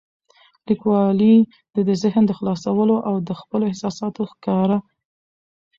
لیکوالی د ذهن خلاصولو او د خپلو احساساتو په ښکاره کولو غوره لاره ده.